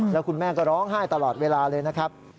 แล้วคุณแม่ก็ร้องไห้ตลอดเวลาเลยนะครับ